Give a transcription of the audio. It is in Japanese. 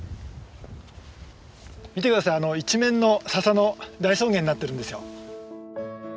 見て下さい一面の笹の大草原になってるんですよ。